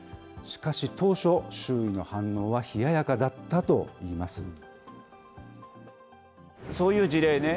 しかし、当初、周囲の反応は冷ややかだったといいます。